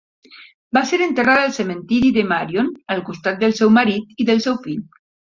Va ser enterrada al cementiri de Marion, al costat del seu marit i del seu fill.